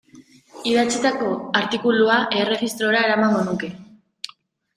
Idatzitako artikulua erregistrora eramango nuke.